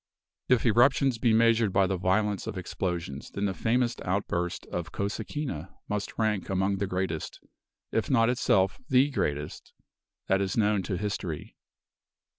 If eruptions be measured by the violence of explosions, [Illustration: THE YELLOWSTONE PARK.] then the famous outburst of Cosequina must rank among the greatest, if not itself the greatest, that is known to history.